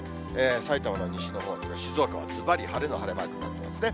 埼玉の西のほうとか静岡はずばり晴れの、晴れマークになってますね。